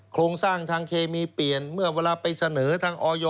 โครงสร้างทางเคมีเปลี่ยนเมื่อเวลาไปเสนอทางออย